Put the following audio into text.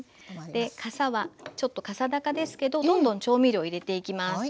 かさはちょっとかさ高ですけどどんどん調味料入れていきます。